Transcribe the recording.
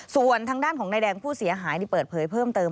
ส่วนทางด้านของนายแดงผู้เสียหายเปิดเผยเพิ่มเติม